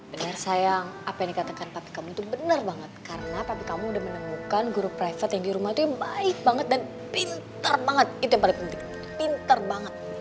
benar sayang apa yang dikatakan tapi kamu itu benar banget karena tapi kamu udah menemukan guru private yang di rumah tuh baik banget dan pintar banget itu yang paling penting pinter banget